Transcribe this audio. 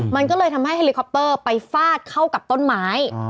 มันก็เลยทำให้เฮลิคอปเตอร์ไปฟาดเข้ากับต้นไม้